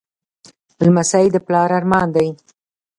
لمسی د پلار ارمان دی.